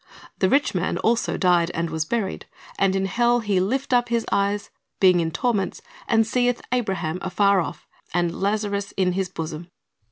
"A Great Gulf Fixed'' 263 "The rich man also died, and was buried; and in hell he lift up his eyes, being in torments, and seeth Abraham afar off^ and Lazarus in his bosom.